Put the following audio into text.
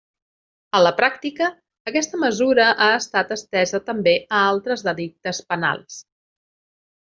A la pràctica, aquesta mesura ha estat estesa també a altres delictes penals.